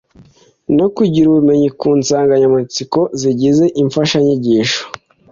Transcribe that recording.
no kugira ubumenyi ku nsanganyamatsiko zigize imfashanyigisho